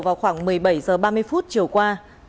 vào khoảng một mươi bảy h ba mươi chiều qua